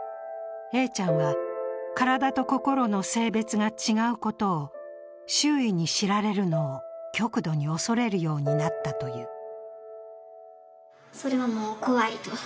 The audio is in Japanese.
Ａちゃんは体と心の性別が違うことを周囲に知られるのを極度に恐れるようになったという。